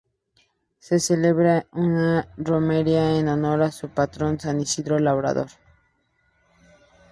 Se celebra una romería en honor a su patrón San Isidro Labrador.